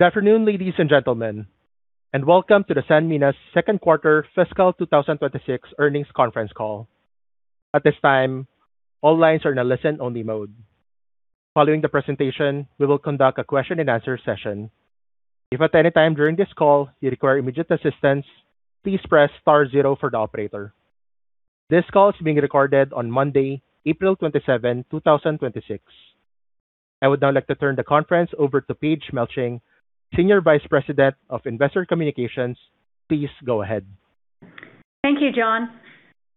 Good afternoon, ladies and gentlemen, and welcome to Sanmina's Second Quarter Fiscal 2026 Earnings Conference Call. At this time, all lines are in a listen-only mode. Following the presentation, we will conduct a question and answer session. If at any time during this call you require immediate assistance, please press star zero for the operator. This call is being recorded on Monday, April 27, 2026. I would now like to turn the conference over to Paige Melching, Senior Vice President of Investor Communications. Please go ahead. Thank you, John.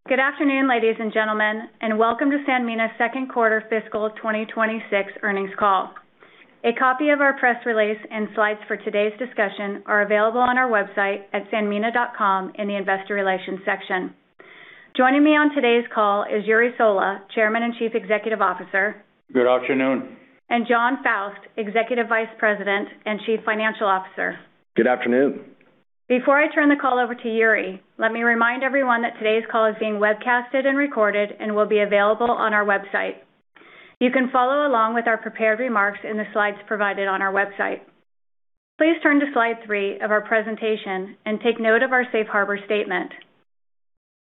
Good afternoon, ladies and gentlemen, and welcome to Sanmina's Second Quarter Fiscal 2026 Earnings Call. A copy of our press release and slides for today's discussion are available on our website at sanmina.com in the Investor Relations section. Joining me on today's call is Jure Sola, Chairman and Chief Executive Officer. Good afternoon. Jon Faust, Executive Vice President and Chief Financial Officer. Good afternoon. Before I turn the call over to Jure, let me remind everyone that today's call is being webcasted and recorded and will be available on our website. You can follow along with our prepared remarks in the slides provided on our website. Please turn to slide 3 of our presentation and take note of our safe harbor statement.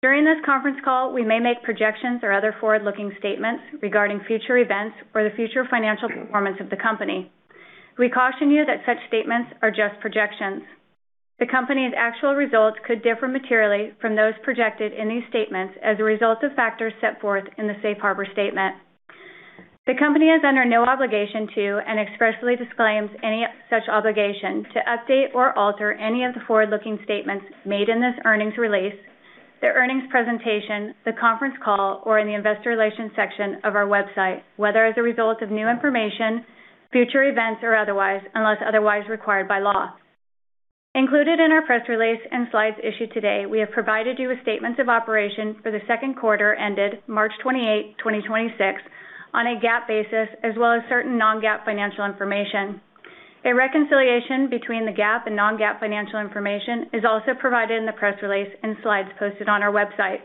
During this conference call, we may make projections or other forward-looking statements regarding future events or the future financial performance of the company. We caution you that such statements are just projections. The company's actual results could differ materially from those projected in these statements as a result of factors set forth in the safe harbor statement. The company is under no obligation to, and expressly disclaims any such obligation to update or alter any of the forward-looking statements made in this earnings release, the earnings presentation, the conference call, or in the Investor Relations section of our website, whether as a result of new information, future events or otherwise, unless otherwise required by law. Included in our press release and slides issued today, we have provided you with statements of operations for the second quarter ended March 28, 2026 on a GAAP basis, as well as certain non-GAAP financial information. A reconciliation between the GAAP and non-GAAP financial information is also provided in the press release and slides posted on our website.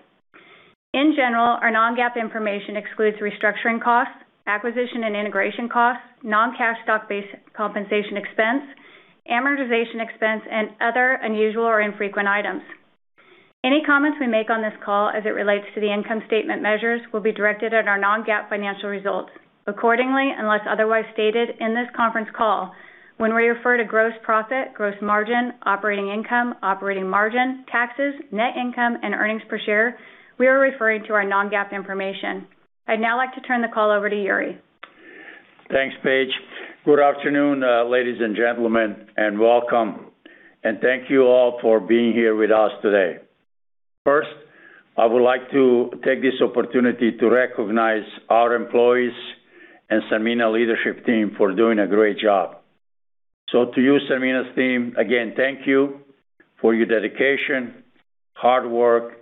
In general, our non-GAAP information excludes restructuring costs, acquisition and integration costs, non-cash stock-based compensation expense, amortization expense, and other unusual or infrequent items. Any comments we make on this call as it relates to the income statement measures will be directed at our non-GAAP financial results. Accordingly, unless otherwise stated in this conference call, when we refer to gross profit, gross margin, operating income, operating margin, taxes, net income, and earnings per share, we are referring to our non-GAAP information. I'd now like to turn the call over to Jure. Thanks, Paige. Good afternoon, ladies and gentlemen, and welcome. Thank you all for being here with us today. First, I would like to take this opportunity to recognize our employees and Sanmina leadership team for doing a great job. To you, Sanmina's team, again, thank you for your dedication, hard work,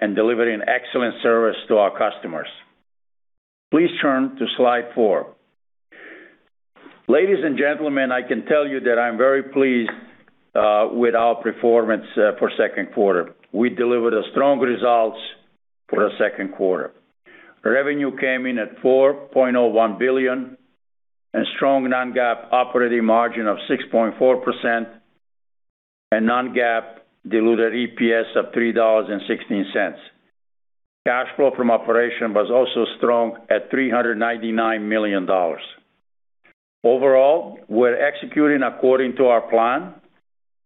and delivering excellent service to our customers. Please turn to slide 4. Ladies and gentlemen, I can tell you that I'm very pleased with our performance for second quarter. We delivered a strong results for the second quarter. Revenue came in at $4.01 billion and strong non-GAAP operating margin of 6.4% and non-GAAP diluted EPS of $3.16. Cash flow from operation was also strong at $399 million. Overall, we're executing according to our plan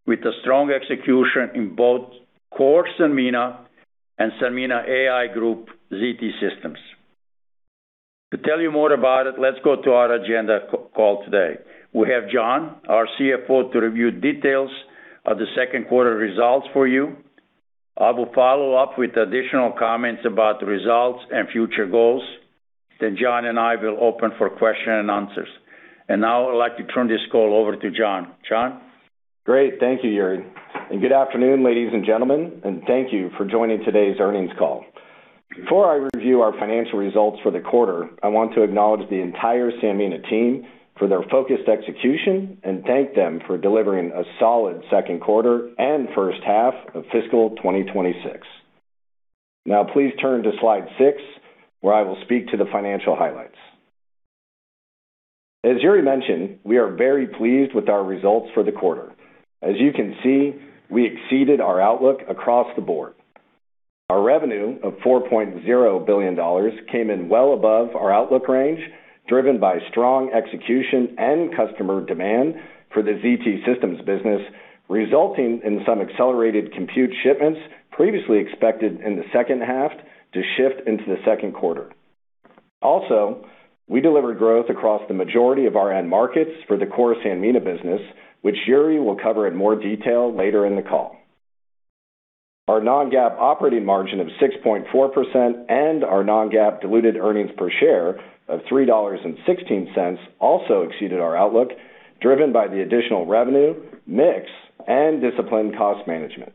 with a strong execution in both Core Sanmina and Sanmina AI Group, ZT Systems. To tell you more about it, let's go to our agenda call today. We have Jon, our CFO, to review details of the second quarter results for you. I will follow up with additional comments about the results and future goals. Then Jon and I will open for questions and answers. Now I would like to turn this call over to Jon. Jon? Great. Thank you, Jure. Good afternoon, ladies and gentlemen, and thank you for joining today's earnings call. Before I review our financial results for the quarter, I want to acknowledge the entire Sanmina team for their focused execution and thank them for delivering a solid second quarter and first half of fiscal 2026. Now, please turn to slide 6, where I will speak to the financial highlights. As Jure mentioned, we are very pleased with our results for the quarter. As you can see, we exceeded our outlook across the board. Our revenue of $4.0 billion came in well above our outlook range, driven by strong execution and customer demand for the ZT Systems business, resulting in some accelerated compute shipments previously expected in the second half to shift into the second quarter. Also, we delivered growth across the majority of our end markets for the Core Sanmina business, which Jure will cover in more detail later in the call. Our non-GAAP operating margin of 6.4% and our non-GAAP diluted earnings per share of $3.16 also exceeded our outlook, driven by the additional revenue, mix, and disciplined cost management.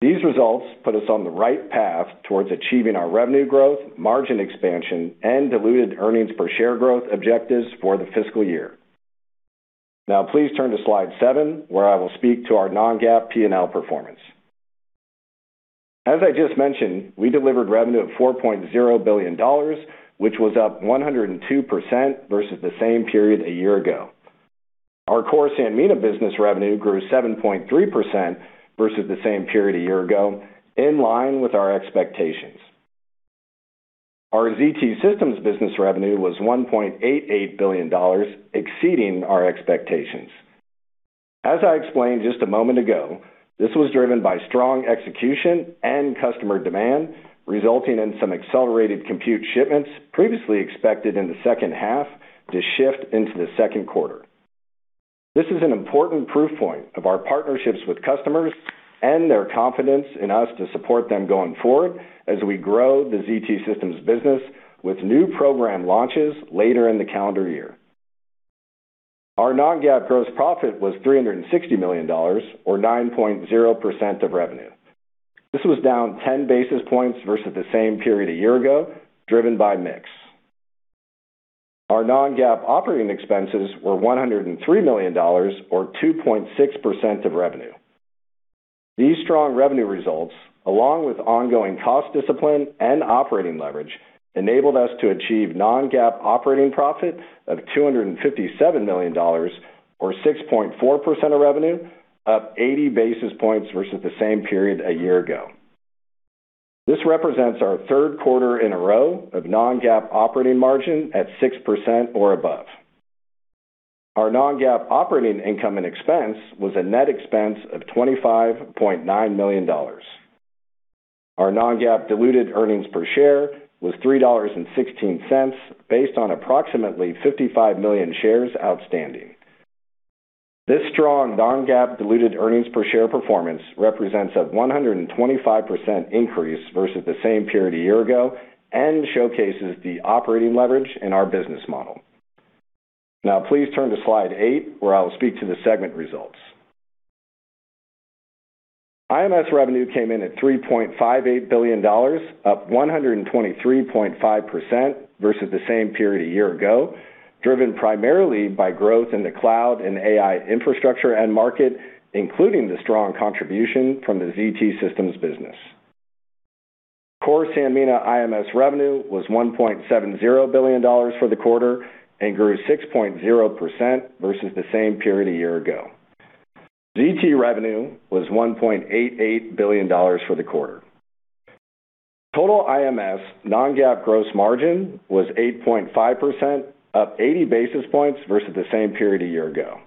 These results put us on the right path towards achieving our revenue growth, margin expansion, and diluted earnings per share growth objectives for the fiscal year. Now, please turn to slide 7, where I will speak to our non-GAAP P&L performance. As I just mentioned, we delivered revenue of $4.0 billion, which was up 102% versus the same period a year ago. Our Core Sanmina business revenue grew 7.3% versus the same period a year ago, in line with our expectations. Our ZT Systems business revenue was $1.88 billion, exceeding our expectations. As I explained just a moment ago, this was driven by strong execution and customer demand, resulting in some accelerated compute shipments previously expected in the second half to shift into the second quarter. This is an important proof point of our partnerships with customers and their confidence in us to support them going forward as we grow the ZT Systems business with new program launches later in the calendar year. Our non-GAAP gross profit was $360 million, or 9.0% of revenue. This was down 10 basis points versus the same period a year ago, driven by mix. Our non-GAAP operating expenses were $103 million, or 2.6% of revenue. These strong revenue results, along with ongoing cost discipline and operating leverage, enabled us to achieve non-GAAP operating profit of $257 million or 6.4% of revenue, up 80 basis points versus the same period a year ago. This represents our third quarter in a row of non-GAAP operating margin at 6% or above. Our non-GAAP operating income and expense was a net expense of $25.9 million. Our non-GAAP diluted earnings per share was $3.16, based on approximately 55 million shares outstanding. This strong non-GAAP diluted earnings per share performance represents a 125% increase versus the same period a year ago and showcases the operating leverage in our business model. Now please turn to slide 8, where I will speak to the segment results. IMS revenue came in at $3.58 billion, up 123.5% versus the same period a year ago, driven primarily by growth in the cloud and AI infrastructure end market, including the strong contribution from the ZT Systems business. Core Sanmina IMS revenue was $1.70 billion for the quarter and grew 6.0% versus the same period a year ago. ZT revenue was $1.88 billion for the quarter. Total IMS non-GAAP gross margin was 8.5%, up 80 basis points versus the same period a year ago.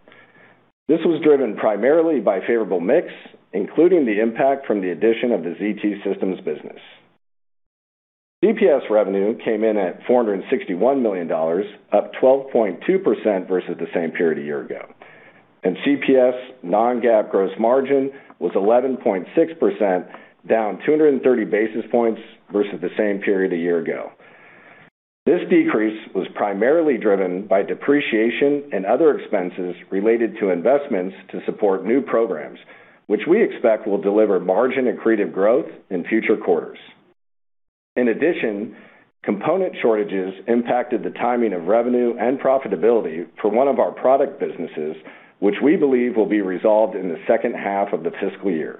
This was driven primarily by favorable mix, including the impact from the addition of the ZT Systems business. CPS revenue came in at $461 million, up 12.2% versus the same period a year ago. CPS non-GAAP gross margin was 11.6%, down 230 basis points versus the same period a year ago. This decrease was primarily driven by depreciation and other expenses related to investments to support new programs, which we expect will deliver margin-accretive growth in future quarters. In addition, component shortages impacted the timing of revenue and profitability for one of our product businesses, which we believe will be resolved in the second half of the fiscal year.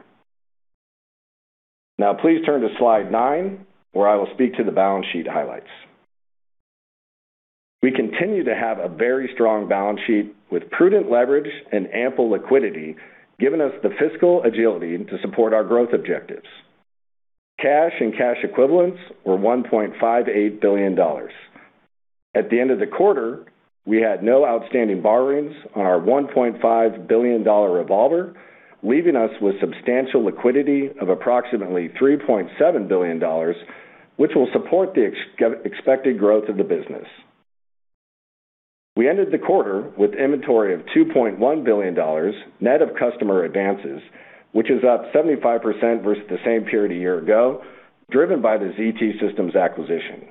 Now please turn to slide 9, where I will speak to the balance sheet highlights. We continue to have a very strong balance sheet with prudent leverage and ample liquidity, giving us the fiscal agility to support our growth objectives. Cash and cash equivalents were $1.58 billion. At the end of the quarter, we had no outstanding borrowings on our $1.5 billion revolver, leaving us with substantial liquidity of approximately $3.7 billion, which will support the expected growth of the business. We ended the quarter with inventory of $2.1 billion, net of customer advances, which is up 75% versus the same period a year ago, driven by the ZT Systems acquisition.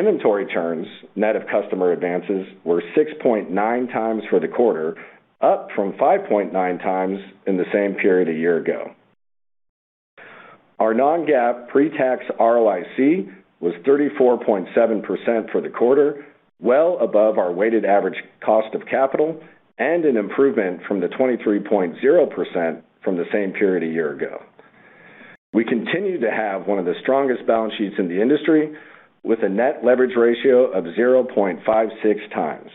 Inventory turns, net of customer advances, were 6.9x for the quarter, up from 5.9x in the same period a year ago. Our non-GAAP pre-tax ROIC was 34.7% for the quarter, well above our weighted average cost of capital and an improvement from the 23.0% from the same period a year ago. We continue to have one of the strongest balance sheets in the industry with a net leverage ratio of 0.56x.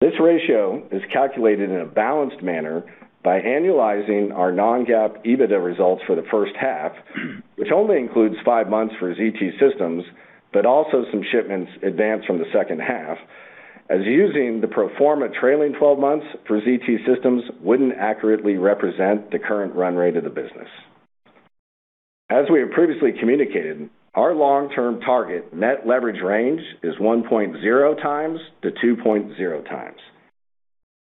This ratio is calculated in a balanced manner by annualizing our non-GAAP EBITDA results for the first half, which only includes 5 months for ZT Systems, but also some shipments advanced from the second half, as using the pro forma trailing 12 months for ZT Systems wouldn't accurately represent the current run rate of the business. We have previously communicated, our long-term target net leverage range is 1.0x-2.0x.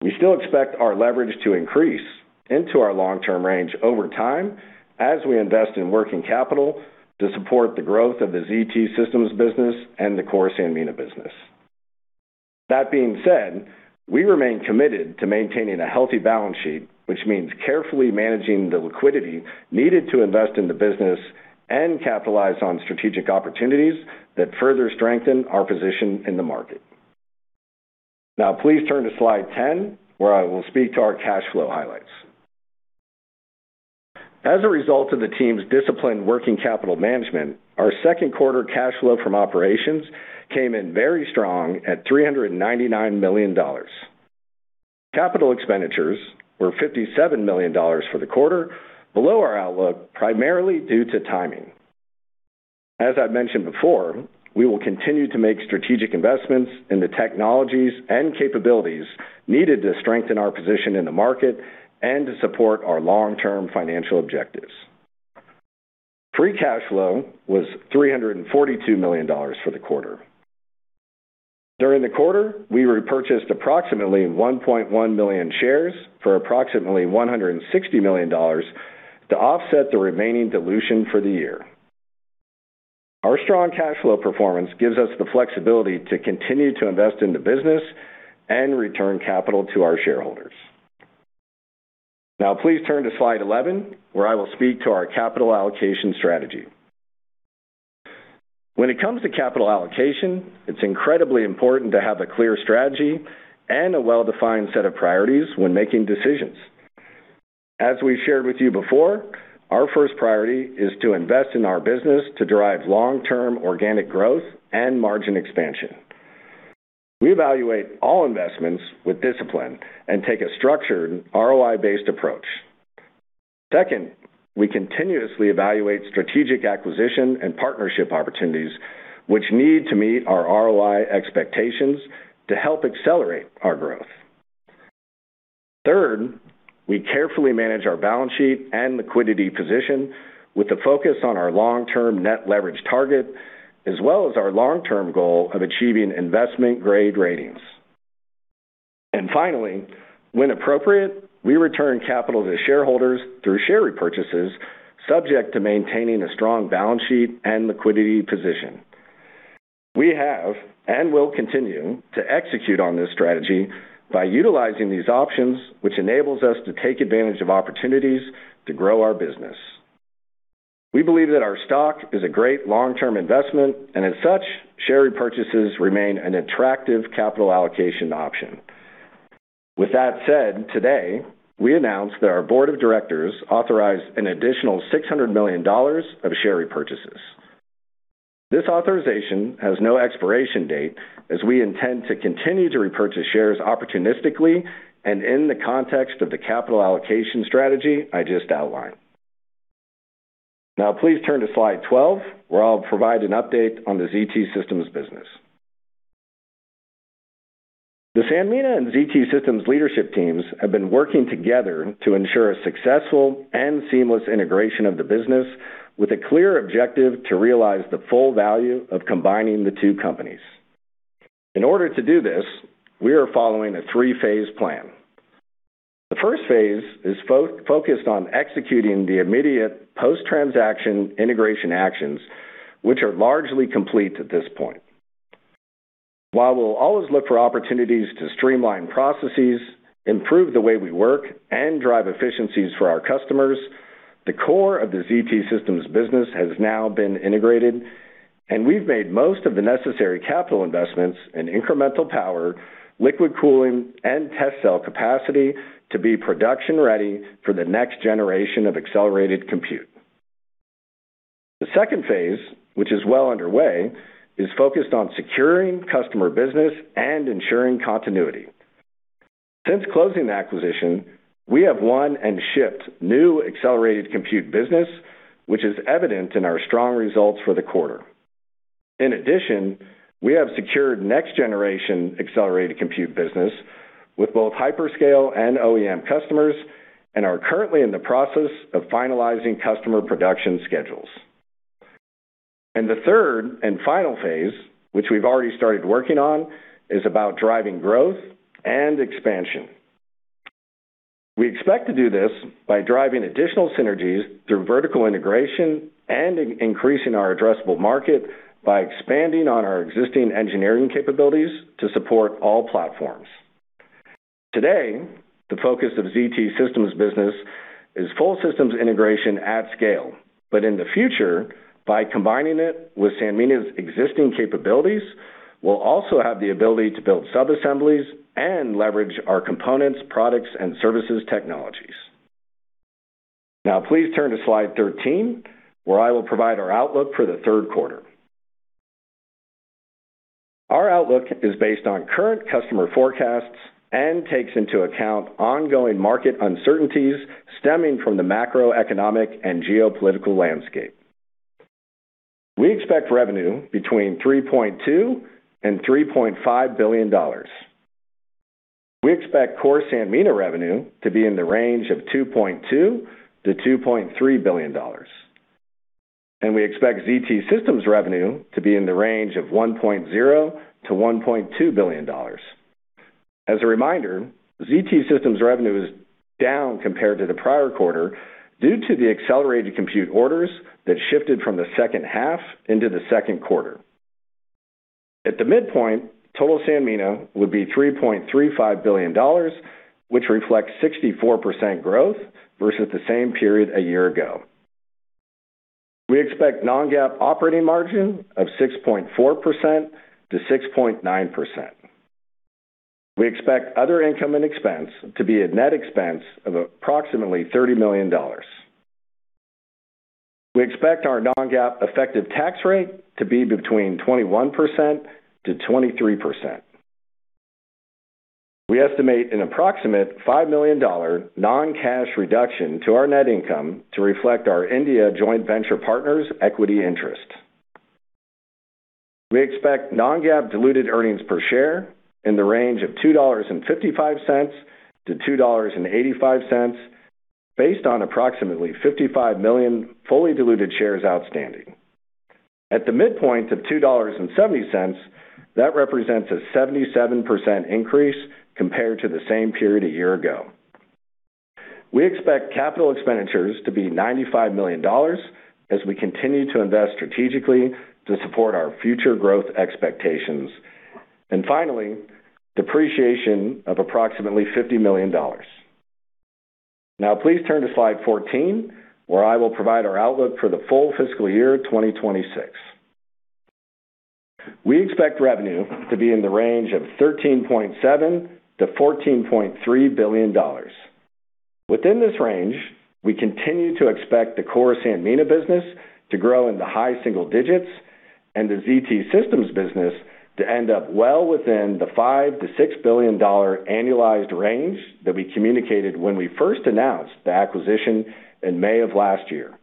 We still expect our leverage to increase into our long-term range over time as we invest in working capital to support the growth of the ZT Systems business and the Core Sanmina business. That being said, we remain committed to maintaining a healthy balance sheet, which means carefully managing the liquidity needed to invest in the business and capitalize on strategic opportunities that further strengthen our position in the market. Now please turn to slide 10, where I will speak to our cash flow highlights. As a result of the team's disciplined working capital management, our second quarter cash flow from operations came in very strong at $399 million. Capital expenditures were $57 million for the quarter, below our outlook, primarily due to timing. As I've mentioned before, we will continue to make strategic investments in the technologies and capabilities needed to strengthen our position in the market and to support our long-term financial objectives. Free cash flow was $342 million for the quarter. During the quarter, we repurchased approximately 1.1 million shares for approximately $160 million to offset the remaining dilution for the year. Our strong cash flow performance gives us the flexibility to continue to invest in the business and return capital to our shareholders. Now please turn to slide 11, where I will speak to our capital allocation strategy. When it comes to capital allocation, it's incredibly important to have a clear strategy and a well-defined set of priorities when making decisions. As we've shared with you before, our first priority is to invest in our business to drive long-term organic growth and margin expansion. We evaluate all investments with discipline and take a structured ROI-based approach. Second, we continuously evaluate strategic acquisition and partnership opportunities, which need to meet our ROI expectations to help accelerate our growth. Third, we carefully manage our balance sheet and liquidity position with a focus on our long-term net leverage target, as well as our long-term goal of achieving investment-grade ratings. Finally, when appropriate, we return capital to shareholders through share repurchases, subject to maintaining a strong balance sheet and liquidity position. We have and will continue to execute on this strategy by utilizing these options, which enables us to take advantage of opportunities to grow our business. We believe that our stock is a great long-term investment, and as such, share repurchases remain an attractive capital allocation option. With that said, today, we announce that our board of directors authorized an additional $600 million of share repurchases. This authorization has no expiration date as we intend to continue to repurchase shares opportunistically and in the context of the capital allocation strategy I just outlined. Now please turn to slide 12, where I'll provide an update on the ZT Systems business. The Sanmina and ZT Systems leadership teams have been working together to ensure a successful and seamless integration of the business with a clear objective to realize the full value of combining the two companies. In order to do this, we are following a three-phase plan. The first phase is focused on executing the immediate post-transaction integration actions, which are largely complete at this point. While we'll always look for opportunities to streamline processes, improve the way we work, and drive efficiencies for our customers, the Core of the ZT Systems business has now been integrated, and we've made most of the necessary capital investments in incremental power, liquid cooling, and test cell capacity to be production ready for the next generation of accelerated compute. The second phase, which is well underway, is focused on securing customer business and ensuring continuity. Since closing the acquisition, we have won and shipped new accelerated compute business, which is evident in our strong results for the quarter. In addition, we have secured next-generation accelerated compute business with both hyperscale and OEM customers and are currently in the process of finalizing customer production schedules. The third and final phase, which we've already started working on, is about driving growth and expansion. We expect to do this by driving additional synergies through vertical integration and increasing our addressable market by expanding on our existing engineering capabilities to support all platforms. Today, the focus of ZT Systems business is full systems integration at scale. In the future, by combining it with Sanmina's existing capabilities, we'll also have the ability to build subassemblies and leverage our components, products, and services technologies. Now please turn to slide 13, where I will provide our outlook for the third quarter. Our outlook is based on current customer forecasts and takes into account ongoing market uncertainties stemming from the macroeconomic and geopolitical landscape. We expect revenue between $3.2 billion and $3.5 billion. We expect Core Sanmina revenue to be in the range of $2.2 billion-$2.3 billion. We expect ZT Systems revenue to be in the range of $1.0 billion-$1.2 billion. As a reminder, ZT Systems revenue is down compared to the prior quarter due to the accelerated compute orders that shifted from the second half into the second quarter. At the midpoint, total Sanmina would be $3.35 billion, which reflects 64% growth versus the same period a year ago. We expect non-GAAP operating margin of 6.4%-6.9%. We expect other income and expense to be a net expense of approximately $30 million. We expect our non-GAAP effective tax rate to be between 21%-23%. We estimate an approximate $5 million non-cash reduction to our net income to reflect our India joint venture partner's equity interest. We expect non-GAAP diluted earnings per share in the range of $2.55-$2.85 based on approximately 55 million fully diluted shares outstanding. At the midpoint of $2.70, that represents a 77% increase compared to the same period a year ago. We expect capital expenditures to be $95 million as we continue to invest strategically to support our future growth expectations. Finally, depreciation of approximately $50 million. Now please turn to slide 14, where I will provide our outlook for the full fiscal year 2026. We expect revenue to be in the range of $13.7 billion-$14.3 billion. Within this range, we continue to expect the Core Sanmina business to grow in the high single digits and the ZT Systems business to end up well within the $5 billion-$6 billion annualized range that we communicated when we first announced the acquisition in May of last year.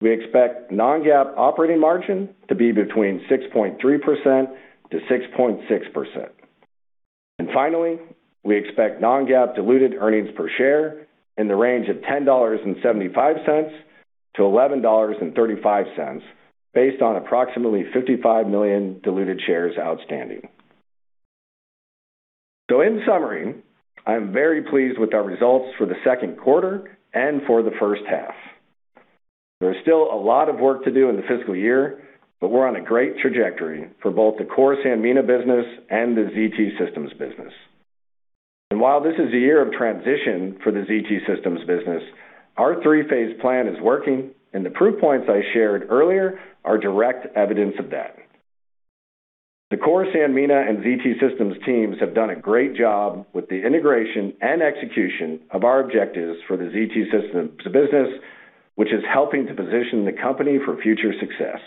We expect non-GAAP operating margin to be between 6.3%-6.6%. Finally, we expect non-GAAP diluted earnings per share in the range of $10.75-$11.35 based on approximately 55 million diluted shares outstanding. In summary, I'm very pleased with our results for the second quarter and for the first half. There's still a lot of work to do in the fiscal year, but we're on a great trajectory for both the Core Sanmina business and the ZT Systems business. While this is a year of transition for the ZT Systems business, our three-phase plan is working, and the proof points I shared earlier are direct evidence of that. The Core Sanmina and ZT Systems teams have done a great job with the integration and execution of our objectives for the ZT Systems business, which is helping to position the company for future success.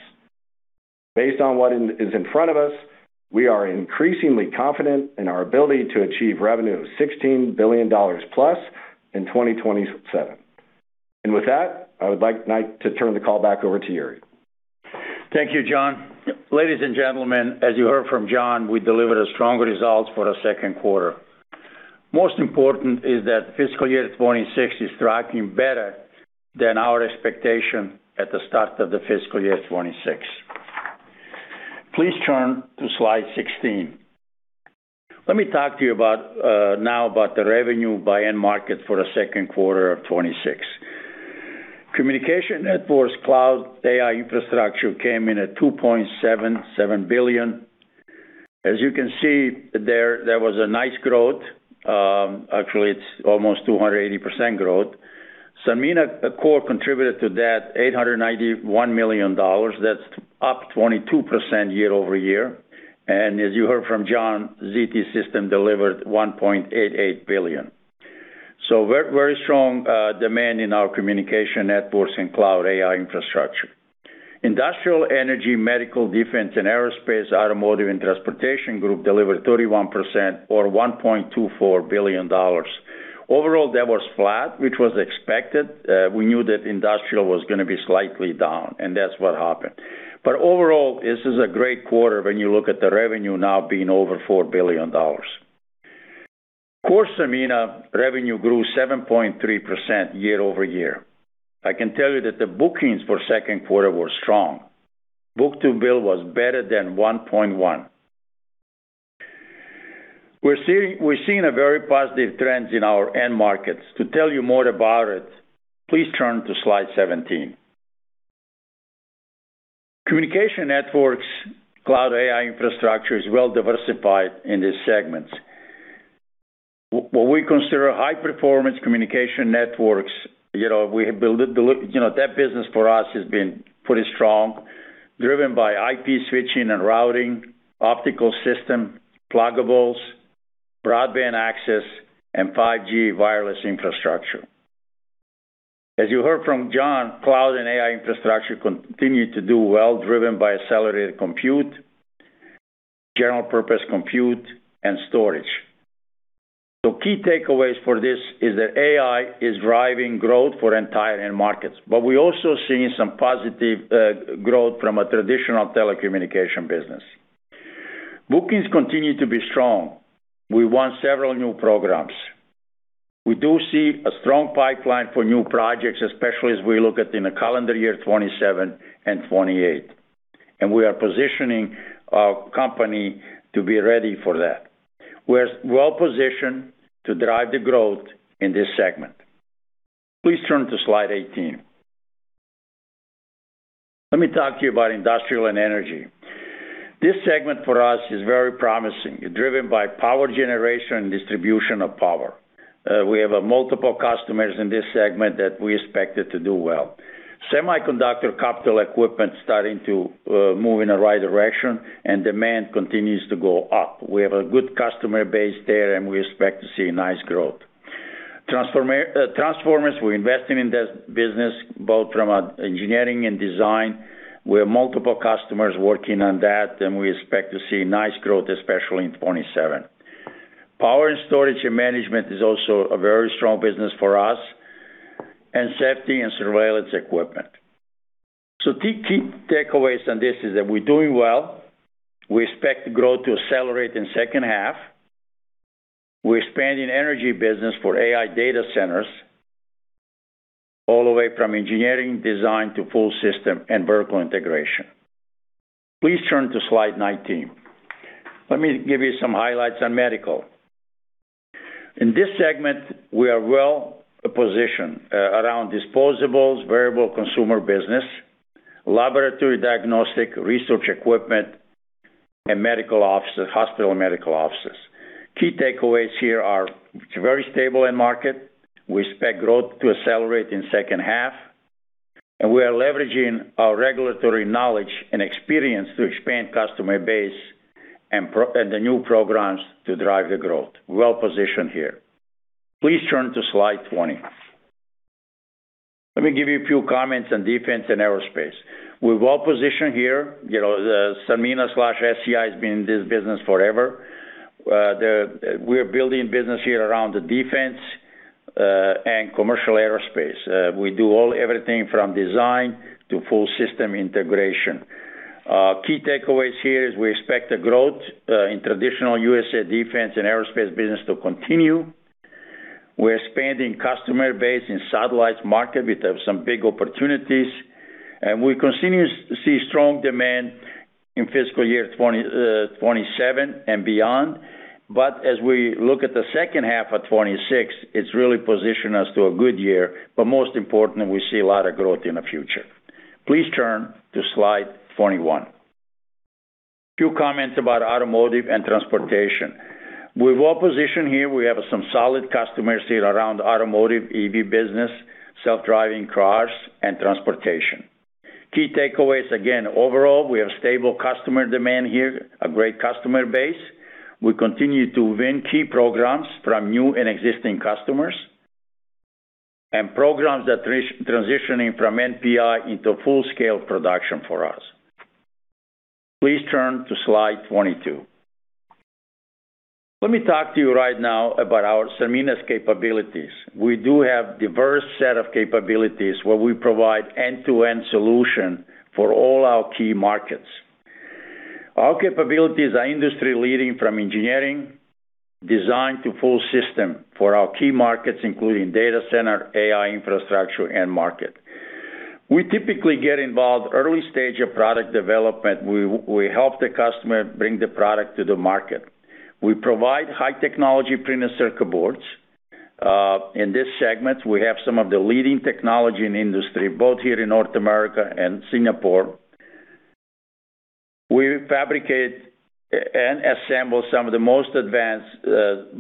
Based on what is in front of us, we are increasingly confident in our ability to achieve revenue of $16 billion+ in 2027. With that, I would like now to turn the call back over to Jure. Thank you, Jon. Ladies and gentlemen, as you heard from Jon, we delivered stronger results for the second quarter. Most important is that fiscal year 2026 is tracking better than our expectation at the start of the fiscal year 2026. Please turn to slide 16. Let me talk to you about now the revenue by end market for the second quarter of 2026. Communication networks, cloud, AI infrastructure came in at $2.77 billion. As you can see there was a nice growth. Actually, it's almost 280% growth. Sanmina Core contributed to that $891 million. That's up 22% year-over-year. As you heard from Jon, ZT Systems delivered $1.88 billion. Very strong demand in our communication networks and cloud AI infrastructure. Industrial, energy, medical, defense and aerospace, automotive and transportation group delivered 31% or $1.24 billion. Overall, that was flat, which was expected. We knew that industrial was gonna be slightly down, and that's what happened. Overall, this is a great quarter when you look at the revenue now being over $4 billion. Core Sanmina revenue grew 7.3% year-over-year. I can tell you that the bookings for second quarter were strong. Book-to-bill was better than 1.1. We're seeing a very positive trends in our end markets. To tell you more about it, please turn to slide 17. Communication networks, cloud AI infrastructure is well diversified in these segments. What we consider high-performance communication networks, you know, that business for us has been pretty strong, driven by IP switching and routing, optical system, pluggables, broadband access, and 5G wireless infrastructure. As you heard from Jon, cloud and AI infrastructure continue to do well, driven by accelerated compute, general purpose compute, and storage. Key takeaways for this is that AI is driving growth for entire end markets, but we're also seeing some positive growth from a traditional telecommunication business. Bookings continue to be strong. We won several new programs. We do see a strong pipeline for new projects, especially as we look at in the calendar year 2027 and 2028, and we are positioning our company to be ready for that. We're well-positioned to drive the growth in this segment. Please turn to slide 18. Let me talk to you about industrial and energy. This segment for us is very promising, driven by power generation and distribution of power. We have multiple customers in this segment that we expect it to do well. Semiconductor capital equipment starting to move in the right direction and demand continues to go up. We have a good customer base there, and we expect to see nice growth. Transformers, we're investing in the business both from an engineering and design. We have multiple customers working on that, and we expect to see nice growth, especially in 2027. Power and storage and management is also a very strong business for us, and safety and surveillance equipment. Key takeaways on this is that we're doing well. We expect growth to accelerate in second half. We're expanding energy business for AI data centers all the way from engineering, design to full system and vertical integration. Please turn to slide 19. Let me give you some highlights on medical. In this segment, we are well-positioned around disposables, variable consumer business, laboratory diagnostic, research equipment, and medical offices, hospital and medical offices. Key takeaways here are it's very stable end market. We expect growth to accelerate in second half, and we are leveraging our regulatory knowledge and experience to expand customer base and the new programs to drive the growth. We're well-positioned here. Please turn to slide 20. Let me give you a few comments on defense and aerospace. We're well-positioned here. You know, the Sanmina/SCI has been in this business forever. We're building business here around the defense and commercial aerospace. We do everything from design to full system integration. Key takeaways here is we expect the growth in traditional U.S. defense and aerospace business to continue. We're expanding customer base in satellites market with some big opportunities. We continue to see strong demand in fiscal year 2027 and beyond. As we look at the second half of 2026, it's really positioned us to a good year, but most importantly, we see a lot of growth in the future. Please turn to slide 21. Few comments about automotive and transportation. We're well-positioned here. We have some solid customers here around automotive EV business, self-driving cars, and transportation. Key takeaways again, overall, we have stable customer demand here, a great customer base. We continue to win key programs from new and existing customers, and programs that transitioning from NPI into full-scale production for us. Please turn to slide 22. Let me talk to you right now about our Sanmina's capabilities. We do have diverse set of capabilities where we provide end-to-end solution for all our key markets. Our capabilities are industry-leading from engineering, design to full system for our key markets, including data center, AI infrastructure, end market. We typically get involved early stage of product development. We help the customer bring the product to the market. We provide high technology printed circuit boards. In this segment, we have some of the leading technology in industry, both here in North America and Singapore. We fabricate and assemble some of the most advanced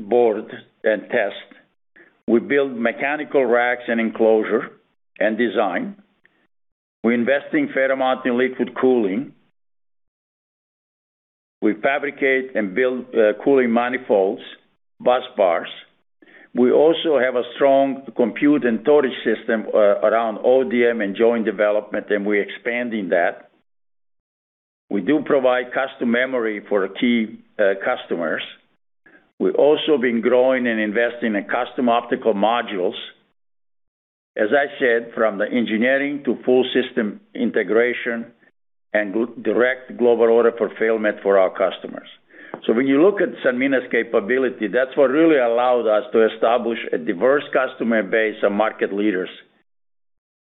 boards and test. We build mechanical racks and enclosure and design. We invest a fair amount in liquid cooling. We fabricate and build cooling manifolds, busbars. We also have a strong compute and storage system around ODM and joint development, and we're expanding that. We do provide custom memory for key customers. We've also been growing and investing in custom optical modules. As I said, from the engineering to full system integration and direct global order fulfillment for our customers. When you look at Sanmina's capability, that's what really allowed us to establish a diverse customer base of market leaders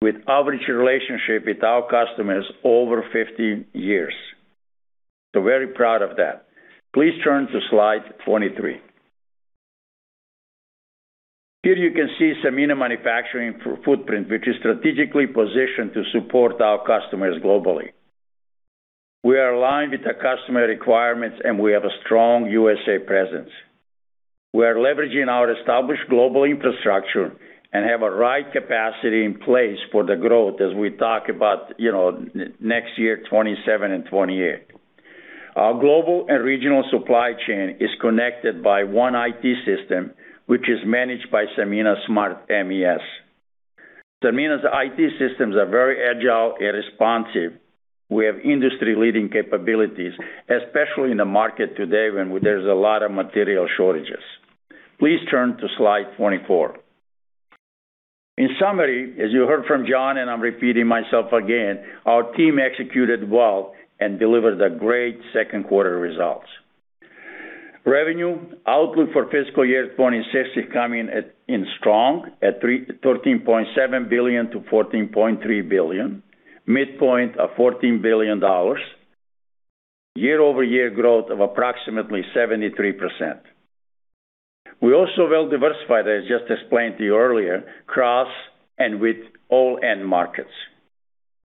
with average relationship with our customers over 50 years. Very proud of that. Please turn to slide 23. Here you can see Sanmina's manufacturing footprint, which is strategically positioned to support our customers globally. We are aligned with the customer requirements, and we have a strong USA presence. We are leveraging our established global infrastructure and have the right capacity in place for the growth as we talk about, you know, next year, 2027 and 2028. Our global and regional supply chain is connected by one IT system, which is managed by Sanmina Smart MES. Sanmina's IT systems are very agile and responsive. We have industry-leading capabilities, especially in the market today when there's a lot of material shortages. Please turn to slide 24. In summary, as you heard from Jon, and I'm repeating myself again, our team executed well and delivered a great second quarter results. Revenue outlook for fiscal year 2026 is coming in strong at $13.7 billion-$14.3 billion, midpoint of $14 billion, year-over-year growth of approximately 73%. We're also well-diversified, as I just explained to you earlier, across and with all end markets.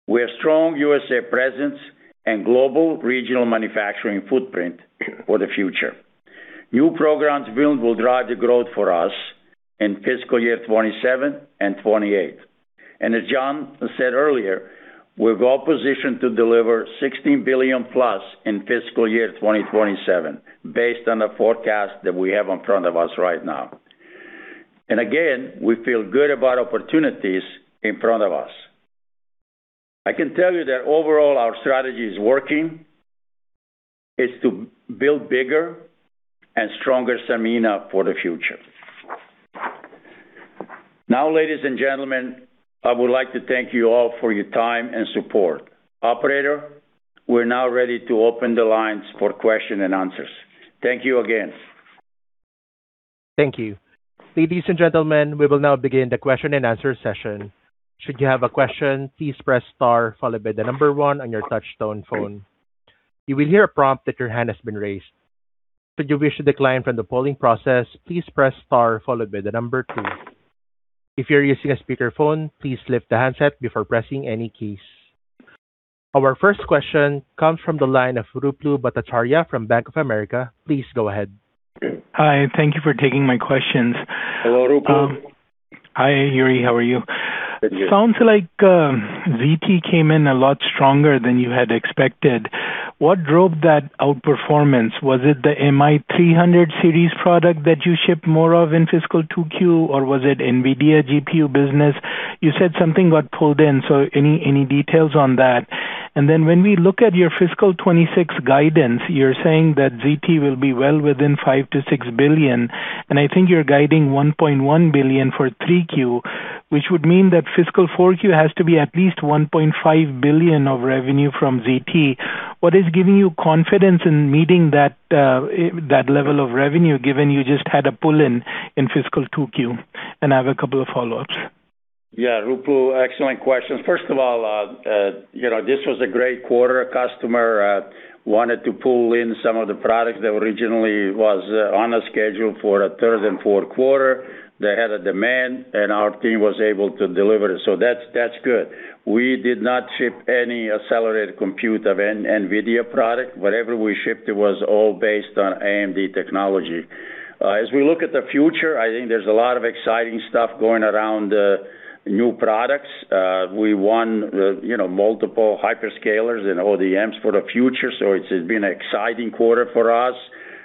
We have strong USA presence and global regional manufacturing footprint for the future. New programs build will drive the growth for us in fiscal year 2027 and 2028. As Jon said earlier, we're well-positioned to deliver $16 billion+ in fiscal year 2027 based on the forecast that we have in front of us right now. Again, we feel good about opportunities in front of us. I can tell you that overall, our strategy is working to build bigger and stronger Sanmina for the future. Now, ladies and gentlemen, I would like to thank you all for your time and support. Operator, we're now ready to open the lines for questions and answers. Thank you again. Thank you. Ladies and gentlemen, we will now begin the question and answer session. Should you have a question, please press star followed by the number one on your touchtone phone. You will hear a prompt that your hand has been raised. Should you wish to decline from the polling process, please press star followed by the number two. If you're using a speakerphone, please lift the handset before pressing any keys. Our first question comes from the line of Ruplu Bhattacharya from Bank of America. Please go ahead. Hi, thank you for taking my questions. Hello, Ruplu. Hi, Jure. How are you? Good, good. Sounds like ZT came in a lot stronger than you had expected. What drove that outperformance? Was it the MI300 series product that you shipped more of in fiscal 2Q, or was it NVIDIA GPU business? You said something got pulled in, so any details on that? When we look at your fiscal 2026 guidance, you're saying that ZT will be well within $5 billion-$6 billion, and I think you're guiding $1.1 billion for 3Q, which would mean that fiscal 4Q has to be at least $1.5 billion of revenue from ZT. What is giving you confidence in meeting that level of revenue given you just had a pull-in in fiscal 2Q? I have a couple of follow-ups. Yeah. Ruplu, excellent questions. First of all, you know, this was a great quarter. A customer wanted to pull in some of the products that originally was on a schedule for third and fourth quarter. They had a demand, and our team was able to deliver, so that's good. We did not ship any accelerated compute of NVIDIA product. Whatever we shipped, it was all based on AMD technology. As we look at the future, I think there's a lot of exciting stuff going around the new products. We won the, you know, multiple hyperscalers and ODMs for the future, so it's been an exciting quarter for us.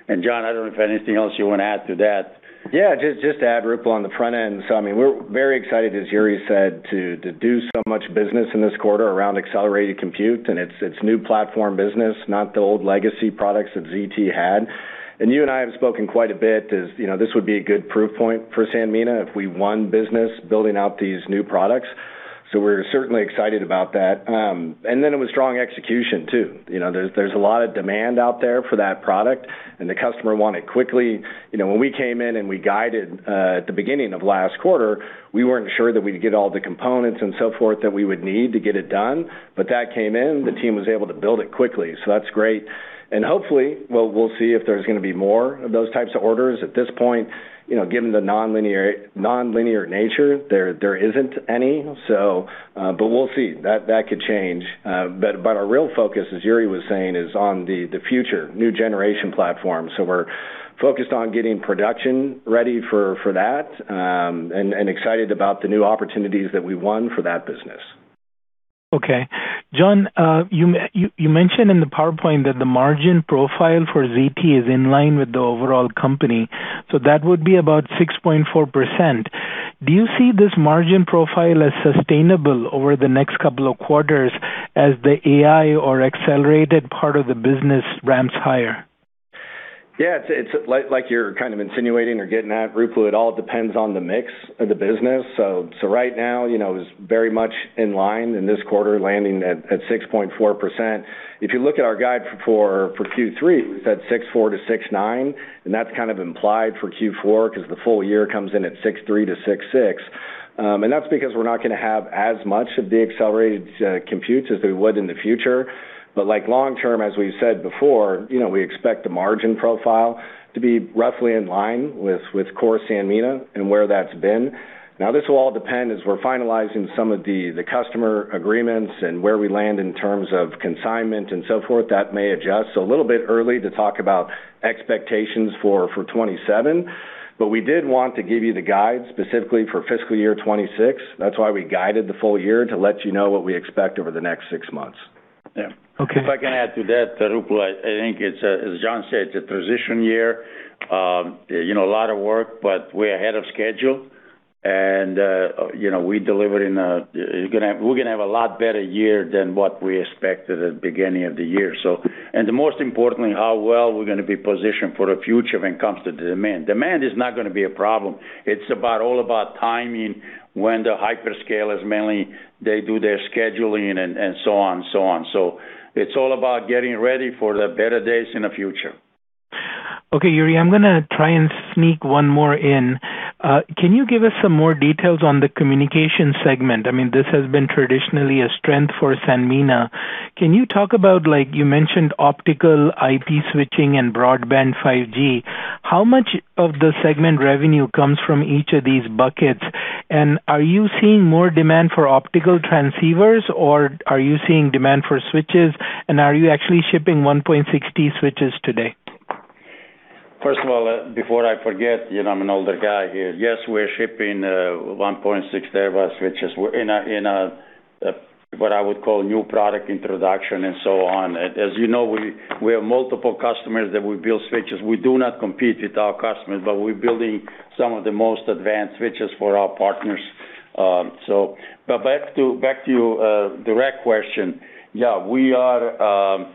Jon, I don't know if anything else you wanna add to that. Yeah. Just to add, Ruplu, on the front end. I mean, we're very excited, as Jure said, to do so much business in this quarter around accelerated compute, and it's new platform business, not the old legacy products that ZT had. You and I have spoken quite a bit as you know, this would be a good proof point for Sanmina if we won business building out these new products, so we're certainly excited about that. Then it was strong execution too. You know, there's a lot of demand out there for that product, and the customer wants it quickly. You know, when we came in and we guided at the beginning of last quarter, we weren't sure that we'd get all the components and so forth that we would need to get it done. That came in, the team was able to build it quickly, so that's great. Hopefully, we'll see if there's gonna be more of those types of orders. At this point, you know, given the nonlinear nature, there isn't any, so. But we'll see. That could change. But our real focus, as Jure was saying, is on the future new generation platform. We're focused on getting production ready for that, and excited about the new opportunities that we won for that business. Okay. Jon, you mentioned in the PowerPoint that the margin profile for ZT is in line with the overall company, so that would be about 6.4%. Do you see this margin profile as sustainable over the next couple of quarters as the AI or accelerated part of the business ramps higher? It's like you're kind of insinuating or getting at, Ruplu, it all depends on the mix of the business. Right now, you know, it's very much in line in this quarter, landing at 6.4%. If you look at our guide for Q3, we said 6.4%-6.9%, and that's kind of implied for Q4 'cause the full year comes in at 6.3%-6.6%. That's because we're not gonna have as much of the accelerated computes as we would in the future. Like long-term, as we've said before, you know, we expect the margin profile to be roughly in line with Core Sanmina and where that's been. Now, this will all depend as we're finalizing some of the customer agreements and where we land in terms of consignment and so forth. That may adjust. A little bit early to talk about expectations for 2027, but we did want to give you the guide specifically for fiscal year 2026. That's why we guided the full year, to let you know what we expect over the next six months. Yeah. Okay. If I can add to that, Ruplu, I think it's, as Jon said, a transition year. You know, a lot of work, but we're ahead of schedule, and, you know, we're gonna have a lot better year than what we expected at the beginning of the year. Most importantly, how well we're gonna be positioned for the future when it comes to the demand. Demand is not gonna be a problem. It's all about timing, when the hyperscalers mainly do their scheduling and so on. So it's all about getting ready for the better days in the future. Okay, Jure. I'm gonna try and sneak one more in. Can you give us some more details on the communication segment? I mean, this has been traditionally a strength for Sanmina. Can you talk about, like you mentioned, optical IP switching and broadband 5G. How much of the segment revenue comes from each of these buckets? And are you seeing more demand for optical transceivers, or are you seeing demand for switches? And are you actually shipping 1.60 switches today? First of all, before I forget, you know I'm an older guy here. Yes, we're shipping 1.6 TB switches. We're in a what I would call new product introduction and so on. As you know, we have multiple customers that we build switches. We do not compete with our customers, but we're building some of the most advanced switches for our partners. Back to your direct question. Yeah, we are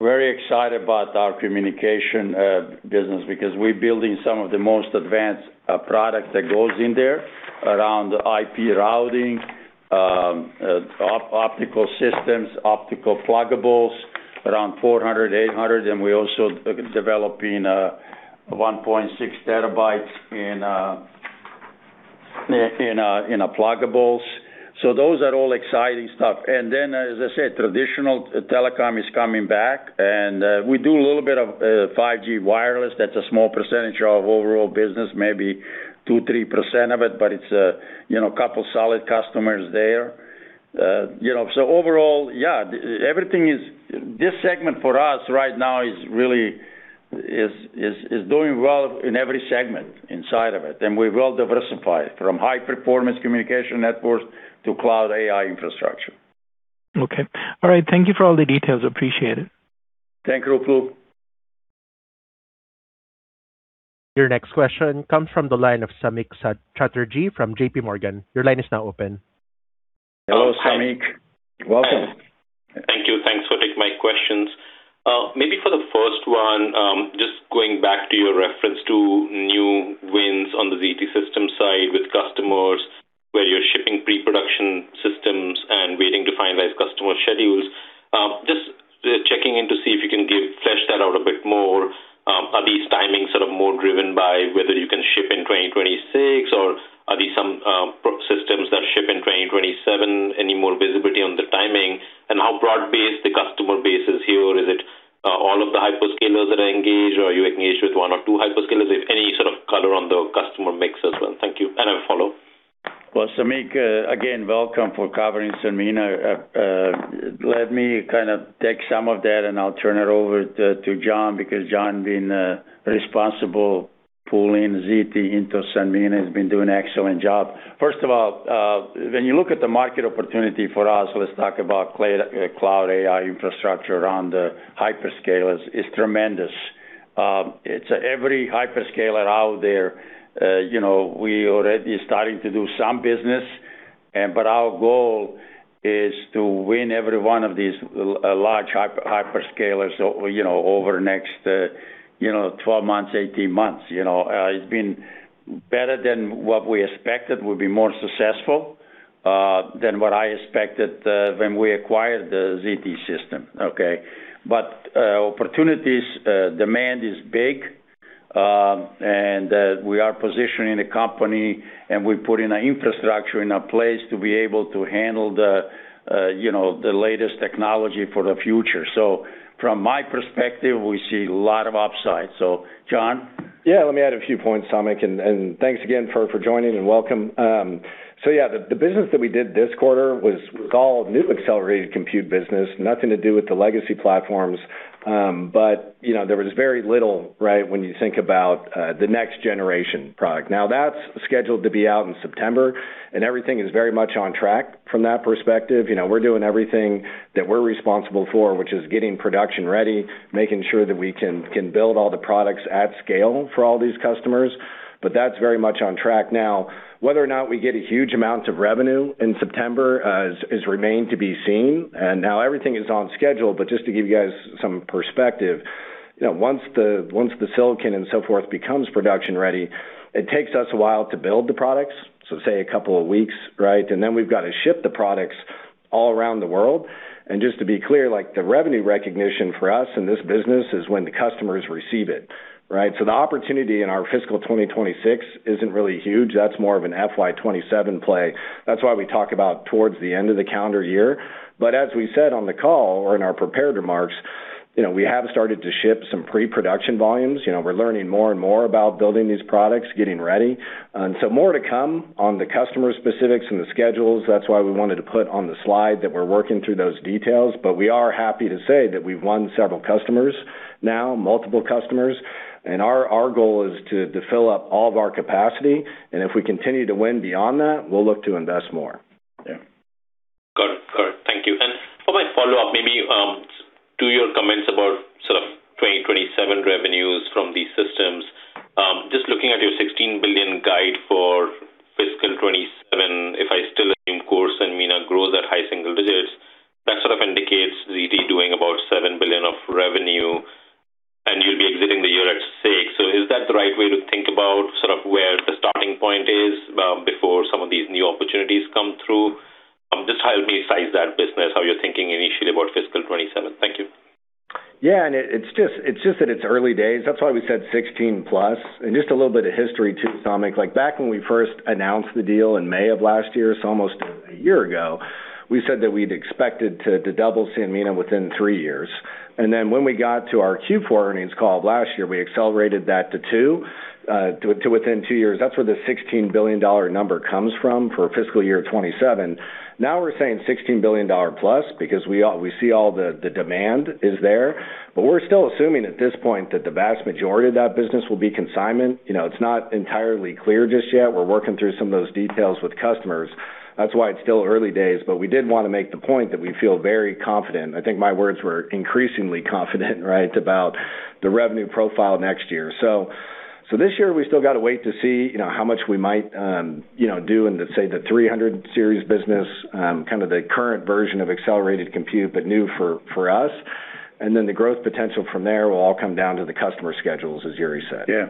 very excited about our communication business because we're building some of the most advanced products that goes in there around IP routing, optical systems, optical pluggables around 400, 800, and we're also developing 1.6 TB in a pluggables. Those are all exciting stuff. As I said, traditional telecom is coming back, and we do a little bit of 5G wireless. That's a small percentage of overall business, maybe 2%-3% of it, but it's a, you know, couple solid customers there. You know, so overall, yeah, everything is. This segment for us right now is really doing well in every segment inside of it. We're well diversified from high-performance communication networks to cloud AI infrastructure. Okay. All right. Thank you for all the details. Appreciate it. Thank you, Ruplu. Your next question comes from the line of Samik Chatterjee from JPMorgan. Your line is now open. Hello, Samik. Welcome. Thank you. Thanks for taking my questions. Maybe for the first one, just going back to your reference to new wins on the ZT Systems side with customers where you're shipping pre-production systems and waiting to finalize customer schedules. Just checking in to see if you can flesh that out a bit more. Are these timings sort of more driven by whether you can ship in 2026 or are these some proto systems that ship in 2027? Any more visibility on the timing and how broad-based the customer base is here? Is it all of the hyperscalers that are engaged or are you engaged with one or two hyperscalers? If any sort of color on the customer mix as well. Thank you. I'll follow. Well, Samik, again, welcome for covering Sanmina. Let me kind of take some of that and I'll turn it over to Jon, because Jon being responsible pulling ZT into Sanmina has been doing an excellent job. First of all, when you look at the market opportunity for us, let's talk about cloud AI infrastructure around the hyperscalers, is tremendous. It's every hyperscaler out there. You know, we already starting to do some business and but our goal is to win every one of these large hyperscalers, you know, over the next 12 months, 18 months. You know, it's been better than what we expected. We'll be more successful than what I expected when we acquired the ZT System. Okay. Opportunities, demand is big, and we are positioning the company and we're putting the infrastructure in a place to be able to handle the you know the latest technology for the future. From my perspective, we see a lot of upside. Jon. Yeah. Let me add a few points, Samik, and thanks again for joining and welcome. So yeah, the business that we did this quarter was all new accelerated compute business. Nothing to do with the legacy platforms. You know, there was very little, right, when you think about the next generation product. Now that's scheduled to be out in September and everything is very much on track from that perspective. You know, we're doing everything that we're responsible for, which is getting production ready, making sure that we can build all the products at scale for all these customers. That's very much on track now. Whether or not we get a huge amount of revenue in September remains to be seen, and now everything is on schedule. Just to give you guys some perspective, you know, once the silicon and so forth becomes production ready, it takes us a while to build the products. Say a couple of weeks, right? Then we've got to ship the products all around the world. Just to be clear, like the revenue recognition for us in this business is when the customers receive it, right? The opportunity in our fiscal 2026 isn't really huge. That's more of an FY 2027 play. That's why we talk about towards the end of the calendar year. As we said on the call or in our prepared remarks, you know, we have started to ship some pre-production volumes. You know, we're learning more and more about building these products, getting ready. More to come on the customer specifics and the schedules. That's why we wanted to put on the slide that we're working through those details. We are happy to say that we've won several customers now, multiple customers. Our goal is to fill up all of our capacity. If we continue to win beyond that, we'll look to invest more. Yeah. Got it. Thank you. For my follow-up, maybe, to your comments about sort of 2027 revenues from these systems. Just looking at your $16 billion guide for fiscal 2027, if it still remains on course and Sanmina grows at high single-digit %, that sort of indicates ZT doing about $7 billion of revenue and you'll be exiting the year at $6 billion. Is that the right way to think about sort of where the starting point is, before some of these new opportunities come through? Just help me size that business, how you're thinking initially about fiscal 2027. Thank you. Yeah, it’s just that it’s early days. That’s why we said 16+. Just a little bit of history too, Samik. Like, back when we first announced the deal in May of last year, so almost a year ago, we said that we’d expected to double Sanmina within three years. Then when we got to our Q4 earnings call of last year, we accelerated that to within two years. That’s where the $16 billion number comes from for fiscal year 2027. Now we’re saying $16 billion+ because we see all the demand is there. We’re still assuming at this point that the vast majority of that business will be consignment. You know, it’s not entirely clear just yet. We’re working through some of those details with customers. That's why it's still early days, but we did wanna make the point that we feel very confident. I think my words were increasingly confident, right, about the revenue profile next year. This year we still gotta wait to see, you know, how much we might do in the, say, the MI300 series business, kind of the current version of accelerated compute, but new for us. Then the growth potential from there will all come down to the customer schedules, as Jure said. Yeah.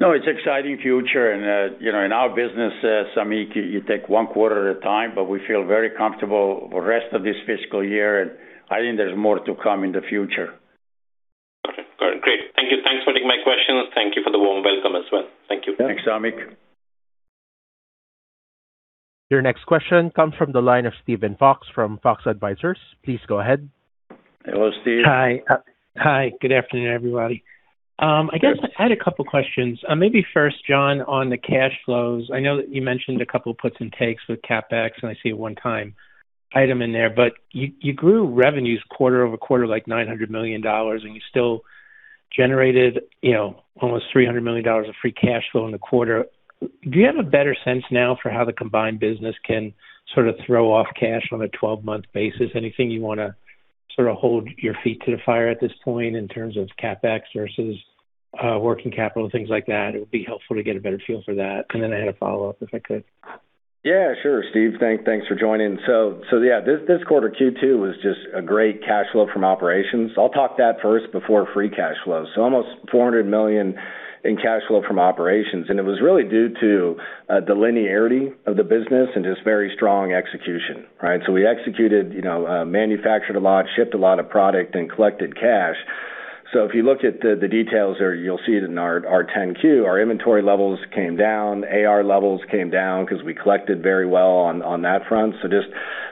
No, it's an exciting future and, you know, in our business, Samik, you take one quarter at a time, but we feel very comfortable for the rest of this fiscal year, and I think there's more to come in the future. Okay. Got it. Great. Thank you. Thanks for taking my questions. Thank you for the warm welcome as well. Thank you. Thanks, Samik. Your next question comes from the line of Steven Fox from Fox Advisors. Please go ahead. Hello, Steve. Hi. Good afternoon, everybody. I guess I had a couple questions. Maybe first, Jon, on the cash flows. I know that you mentioned a couple puts and takes with CapEx, and I see a one-time item in there. But you grew revenues quarter-over-quarter, like $900 million, and you still generated, you know, almost $300 million of free cash flow in the quarter. Do you have a better sense now for how the combined business can sort of throw off cash on a 12-month basis? Anything you wanna sort of hold your feet to the fire at this point in terms of CapEx versus working capital, things like that? It would be helpful to get a better feel for that. Then I had a follow-up, if I could. Yeah, sure, Steve. Thanks for joining. Yeah, this quarter, Q2, was just a great cash flow from operations. I'll talk that first before free cash flow. Almost $400 million in cash flow from operations, and it was really due to the linearity of the business and just very strong execution, right? We executed, you know, manufactured a lot, shipped a lot of product, and collected cash. If you look at the details there, you'll see it in our 10-Q. Our inventory levels came down, AR levels came down 'cause we collected very well on that front.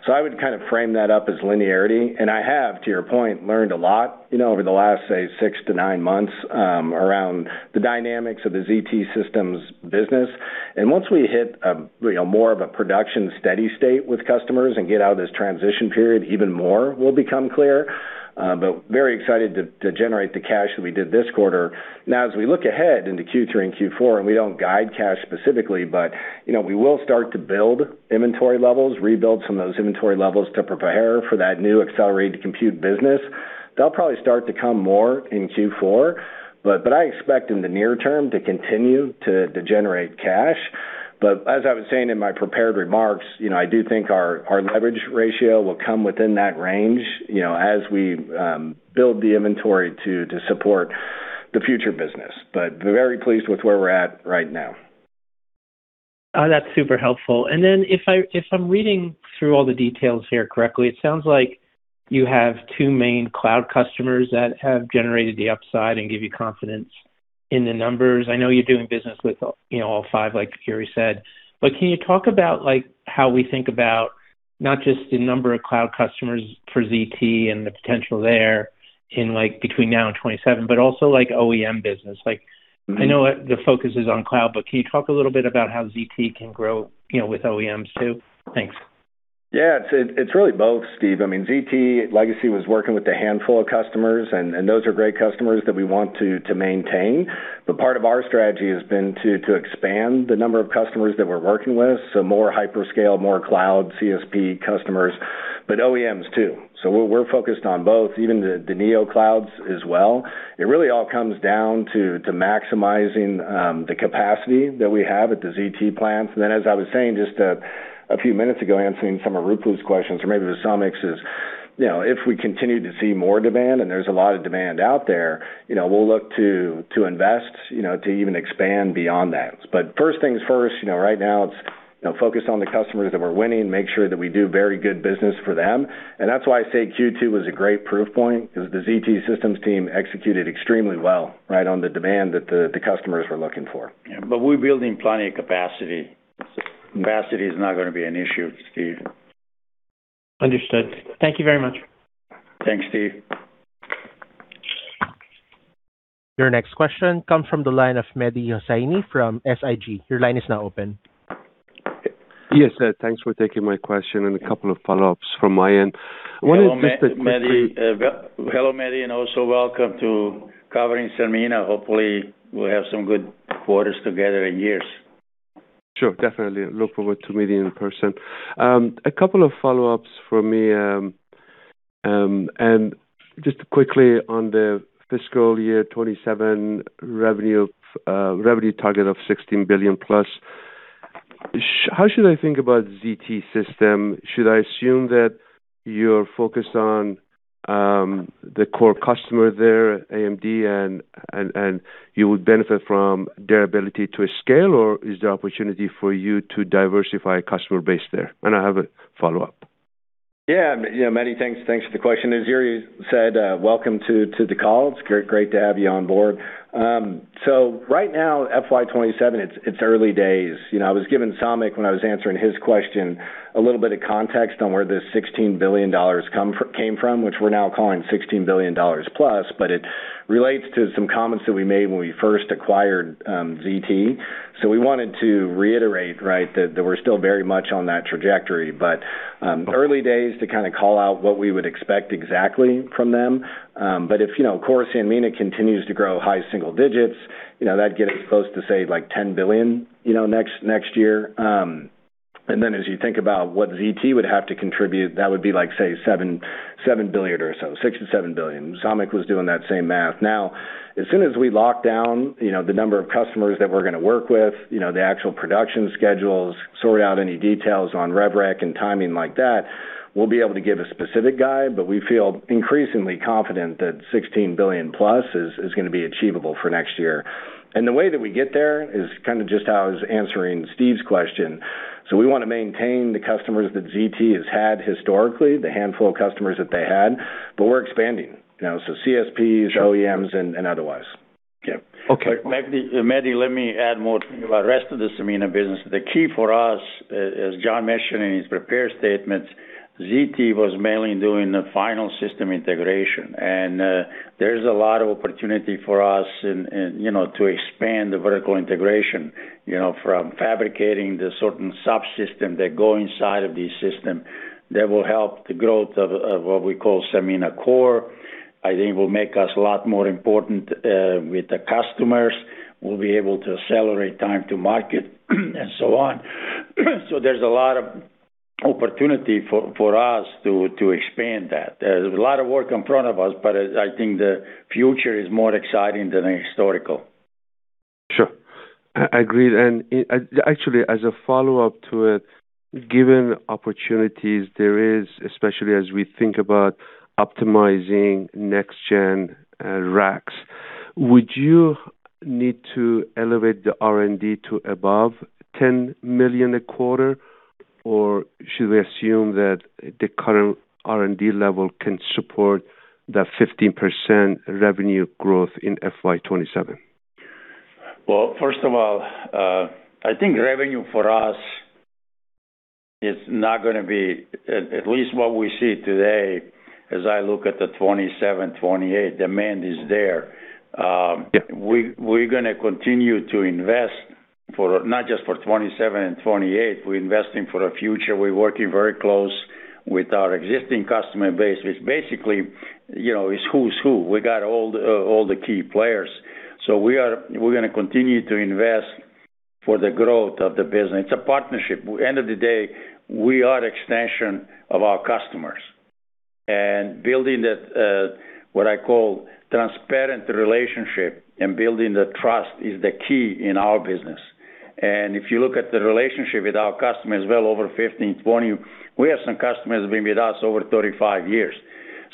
I would kind of frame that up as linearity. I have, to your point, learned a lot, you know, over the last, say, six to nine months, around the dynamics of the ZT Systems business. Once we hit a, you know, more of a production steady state with customers and get out of this transition period, even more will become clear. But very excited to generate the cash that we did this quarter. Now as we look ahead into Q3 and Q4, and we don't guide cash specifically, but, you know, we will start to build inventory levels, rebuild some of those inventory levels to prepare for that new accelerated compute business. That'll probably start to come more in Q4. I expect in the near term to continue to generate cash. As I was saying in my prepared remarks, you know, I do think our leverage ratio will come within that range, you know, as we build the inventory to support the future business. Very pleased with where we're at right now. Oh, that's super helpful. If I'm reading through all the details here correctly, it sounds like you have two main cloud customers that have generated the upside and give you confidence in the numbers. I know you're doing business with, you know, all five, like Jure said. But can you talk about, like, how we think about not just the number of cloud customers for ZT and the potential there in like between now and 2027, but also like OEM business? Like- Mm-hmm. I know the focus is on cloud, but can you talk a little bit about how ZT can grow, you know, with OEMs too? Thanks. Yeah. It's really both, Steve. I mean, ZT Legacy was working with a handful of customers, and those are great customers that we want to maintain. Part of our strategy has been to expand the number of customers that we're working with, so more hyperscale, more cloud CSP customers, but OEMs too. We're focused on both, even the Neoclouds as well. It really all comes down to maximizing the capacity that we have at the ZT plants. Then, as I was saying just a few minutes ago, answering some of Ruplu's questions or maybe Samik's, you know, if we continue to see more demand, and there's a lot of demand out there, you know, we'll look to invest, you know, to even expand beyond that. First things first, you know, right now it's, you know, focus on the customers that we're winning, make sure that we do very good business for them. That's why I say Q2 was a great proof point because the ZT Systems team executed extremely well, right, on the demand that the customers were looking for. Yeah. We're building plenty of capacity. Capacity is not gonna be an issue, Steve. Understood. Thank you very much. Thanks, Steve. Your next question comes from the line of Mehdi Hosseini from SIG. Your line is now open. Yes. Thanks for taking my question, and a couple of follow-ups from my end. I wanted just a quick- Hello, Mehdi, and welcome to covering Sanmina. Hopefully, we'll have some good quarters together in years. Sure. Definitely look forward to meeting in person. A couple of follow-ups from me, and just quickly on the fiscal year 2027 revenue target of $16 billion+. How should I think about ZT Systems? Should I assume that you're focused on the Core customer there at AMD and you would benefit from their ability to scale, or is there opportunity for you to diversify customer base there? I have a follow-up. Yeah, Mehdi, thanks for the question. As Jure said, welcome to the call. It's great to have you on board. Right now, FY 2027, it's early days. You know, I was giving Samik, when I was answering his question, a little bit of context on where this $16 billion came from, which we're now calling $16 billion+, but it relates to some comments that we made when we first acquired ZT. We wanted to reiterate, right, that we're still very much on that trajectory. Early days to kinda call out what we would expect exactly from them. If you know, Core Sanmina continues to grow high single digits, you know, that gets us close to, say, like $10 billion next year. As you think about what ZT would have to contribute, that would be like, say $7 billion or so, $6 billion-$7 billion. Samik was doing that same math. Now, as soon as we lock down, you know, the number of customers that we're gonna work with, you know, the actual production schedules, sort out any details on rev rec and timing like that, we'll be able to give a specific guide, but we feel increasingly confident that $16 billion+ is gonna be achievable for next year. The way that we get there is kinda just how I was answering Steve's question. We wanna maintain the customers that ZT has had historically, the handful of customers that they had, but we're expanding. You know, so CSPs, OEMs, and otherwise. Yeah. Okay. Mehdi, let me add more about the rest of this Sanmina business. The key for us, as Jon mentioned in his prepared statements, ZT was mainly doing the final system integration. There's a lot of opportunity for us in, you know, to expand the vertical integration, you know, from fabricating the certain subsystem that go inside of these system that will help the growth of what we call Sanmina Core. I think it will make us a lot more important with the customers. We'll be able to accelerate time to market and so on. There's a lot of opportunity for us to expand that. There's a lot of work in front of us, but I think the future is more exciting than historical. Sure. Agree. Actually, as a follow-up to it, given opportunities there is, especially as we think about optimizing next-gen racks, would you need to elevate the R&D to above $10 million a quarter, or should we assume that the current R&D level can support the 15% revenue growth in FY 2027? Well, first of all, I think revenue for us is not gonna be at least what we see today as I look at the 2027, 2028 demand is there. We’re gonna continue to invest for not just for 2027 and 2028, we’re investing for the future. We’re working very close with our existing customer base, which basically, you know, is who’s who. We got all the key players. We’re gonna continue to invest for the growth of the business. It’s a partnership. End of the day, we are an extension of our customers. Building the what I call transparent relationship and building the trust is the key in our business. If you look at the relationship with our customers well over 15, 20, we have some customers been with us over 35 years.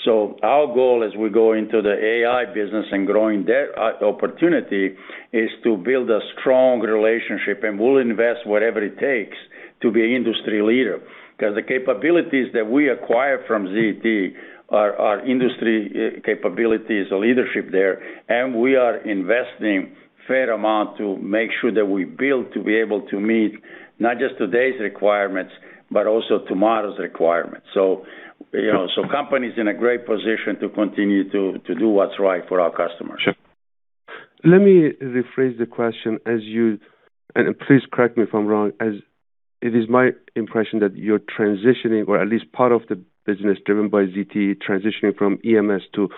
Our goal as we go into the AI business and growing that opportunity is to build a strong relationship, and we'll invest whatever it takes to be the industry leader. Because the capabilities that we acquire from ZT are industry capabilities or leadership there, and we are investing a fair amount to make sure that we build to be able to meet not just today's requirements, but also tomorrow's requirements. You know, the company's in a great position to continue to do what's right for our customers. Sure. Let me rephrase the question, and please correct me if I'm wrong, as it is my impression that you're transitioning or at least part of the business driven by ZT transitioning from EMS to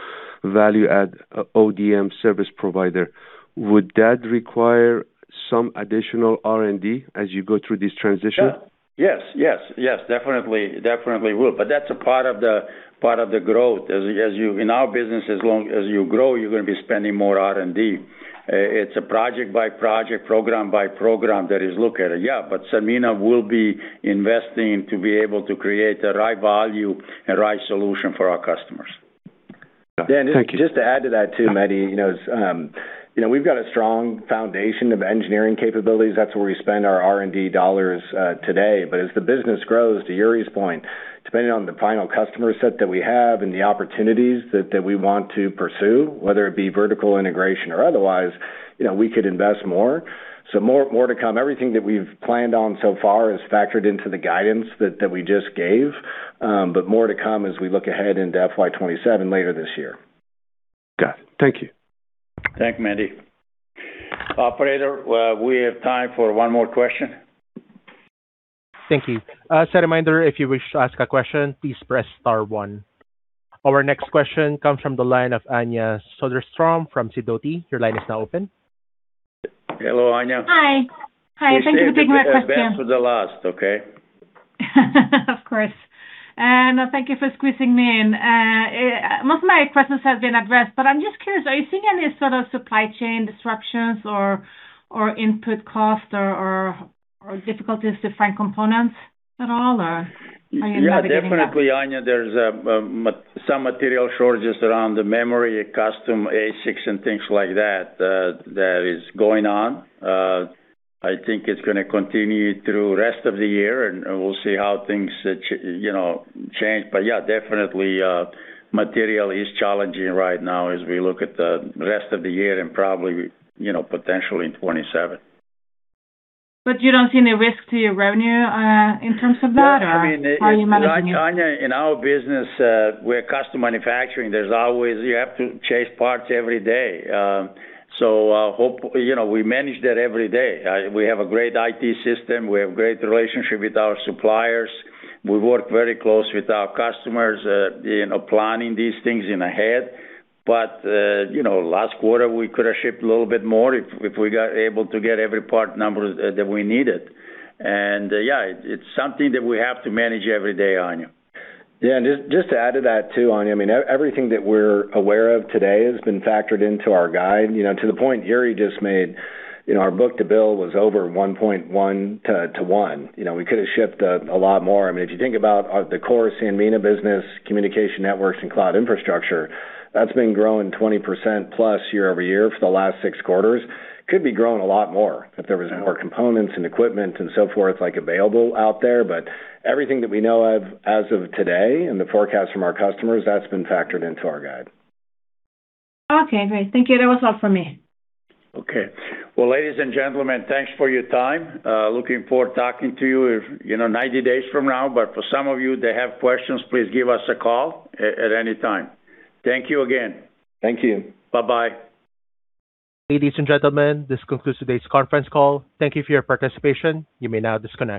value add ODM service provider. Would that require some additional R&D as you go through this transition? Yeah. Yes. Definitely will. That's a part of the growth. In our business, as long as you grow, you're gonna be spending more R&D. It's project by project, program by program that is looked at. Yeah, but Sanmina will be investing to be able to create the right value and right solution for our customers. Thank you. Yeah. Just to add to that too, Mehdi, you know, we've got a strong foundation of engineering capabilities. That's where we spend our R&D dollars today. But as the business grows, to Jure's point, depending on the final customer set that we have and the opportunities that we want to pursue, whether it be vertical integration or otherwise, you know, we could invest more. More to come. Everything that we've planned on so far is factored into the guidance that we just gave, but more to come as we look ahead into FY 2027 later this year. Got it. Thank you. Thank you, Mehdi. Operator, we have time for one more question. Thank you. As a reminder, if you wish to ask a question, please press star one. Our next question comes from the line of Anja Soderstrom from Sidoti. Your line is now open. Hello, Anja. Hi. Thank you for taking my question. We save the best for the last, okay? Of course. Thank you for squeezing me in. Most of my questions have been addressed, but I'm just curious, are you seeing any sort of supply chain disruptions or input costs or difficulties to find components at all or are you navigating that? Yeah, definitely, Anja. There's some material shortages around the memory, custom ASICs, and things like that is going on. I think it's gonna continue through rest of the year, and we'll see how things you know, change. Yeah, definitely, material is challenging right now as we look at the rest of the year and probably, you know, potentially in 2027. You don't see any risk to your revenue, in terms of that or how are you managing it? I mean, Anja, in our business, we're custom manufacturing. You have to chase parts every day. You know, we manage that every day. We have a great IT system, we have great relationship with our suppliers. We work very close with our customers, you know, planning these things ahead. You know, last quarter, we could have shipped a little bit more if we were able to get every part number that we needed. Yeah, it's something that we have to manage every day, Anja. Yeah. To add to that too, Anja, I mean, everything that we're aware of today has been factored into our guide. You know, to the point Jure just made, you know, our book-to-bill was over 1.1 to 1. You know, we could have shipped a lot more. I mean, if you think about the Core Sanmina business communication networks and cloud infrastructure, that's been growing 20%+ year-over-year for the last 6 quarters. Could be growing a lot more if there was more components and equipment and so forth like available out there. Everything that we know of as of today and the forecast from our customers, that's been factored into our guide. Okay, great. Thank you. That was all for me. Okay. Well, ladies and gentlemen, thanks for your time. Looking forward talking to you if, you know, 90 days from now. For some of you that have questions, please give us a call at any time. Thank you again. Thank you. Bye-bye. Ladies and gentlemen, this concludes today's conference call. Thank you for your participation. You may now disconnect.